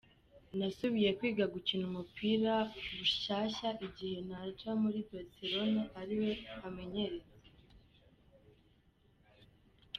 Nasubiye kwiga gukina umupira bushasha igihe naja muri Barcelone ari we amenyereza.